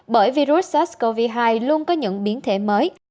bởi virus sars cov hai luôn có những biến thể mới